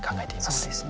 そうですね。